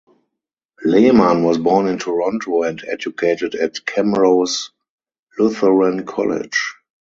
Lehmann was born in Toronto and educated at Camrose Lutheran College.